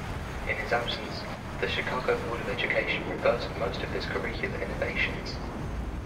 In his absence, the Chicago Board of Education reversed most of his curricular innovations.